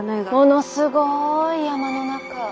ものすごい山の中。